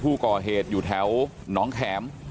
ผู้ก่อเหตุอยู่แถวน้องแข็ม